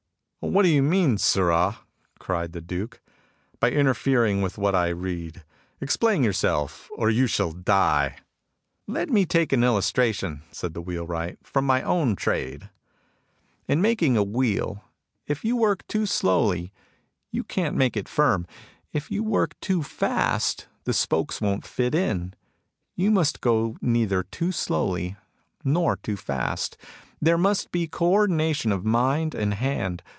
" What do you mean, sirrah !" cried the Duke, " by interfering with what I read ? Ex plain yourself, or you shall die." " Let me take an illustration," said the wheel wright, " from my own trade. In making a THE SECURITY OF UNCONSCIOUSNESS 57 wheel, if you work too slowly, you can't make it firm ; if you work too fast, the spokes won't fit in. You must go neither too slowly nor too fast. There must be co ordination of mind and hand.